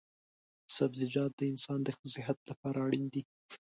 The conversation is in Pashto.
سبزيجات د انسان د ښه صحت لپاره اړين دي